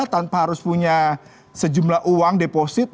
tanpa harus punya sejumlah uang deposit